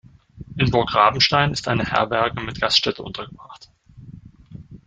In Burg Rabenstein ist eine Herberge mit Gaststätte untergebracht.